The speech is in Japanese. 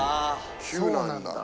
９なんだ。